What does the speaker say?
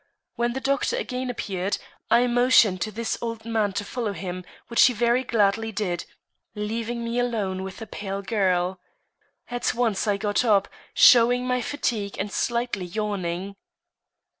When the doctor again appeared, I motioned to this old man to follow him, which he very gladly did, leaving me alone with the pale girl. At once I got up, showing my fatigue and slightly yawning.